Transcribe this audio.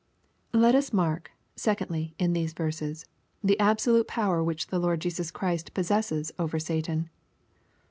Let us mark, secondly, in these verses, the absolute power which the Lord Jesus Christ possesses over Satan.